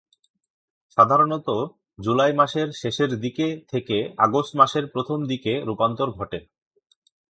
সাধারণত জুলাই মাসের শেষের দিকে থেকে আগস্ট মাসের প্রথম দিকে রূপান্তর ঘটে।